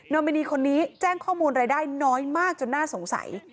อมินีคนนี้แจ้งข้อมูลรายได้น้อยมากจนน่าสงสัย